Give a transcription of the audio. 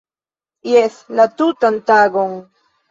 Jes! - La tutan tagon